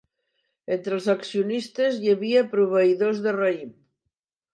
Entre els accionistes hi havia proveïdors de raïm.